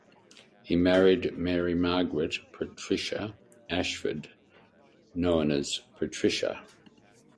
He married Mary Margaret Patricia Ashford (known as Patricia).